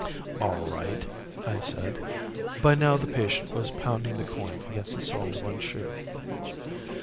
"All right," I said. By now the patient was pounding the coin against the sole of one shoe.